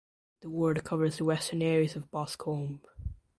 The ward covers the western areas of Boscombe.